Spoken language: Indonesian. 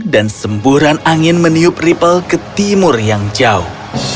dan semburan angin meniup ripple ke timur yang jauh